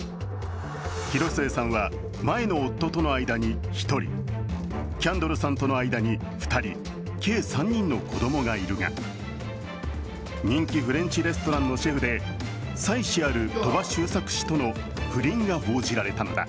広末さんは、前の夫との間に１人、キャンドルさんとの間に２人計３人の子供がいるが、人気フレンチレストランのシェフで妻子ある鳥羽周作氏との不倫が報じられたのだ。